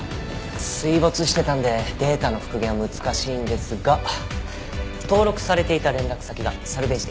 水没してたんでデータの復元は難しいんですが登録されていた連絡先がサルベージできました。